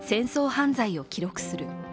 犯罪を記録する。